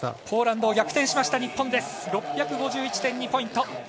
ポーランドを逆転しました日本、６５１．２ポイント。